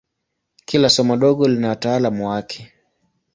Kila somo dogo lina wataalamu wake.